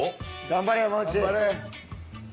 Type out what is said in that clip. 頑張れ。